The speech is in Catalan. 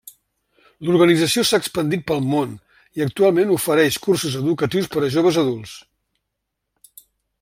L'organització s'ha expandit pel món i actualment ofereix cursos educatius per a joves adults.